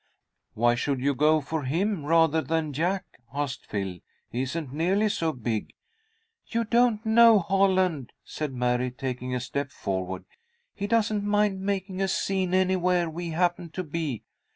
"Why should you go for him rather than Jack?" asked Phil. "He isn't nearly so big." "You don't know Holland," said Mary, taking a step forward. "He doesn't mind making a scene anywhere we happen to be.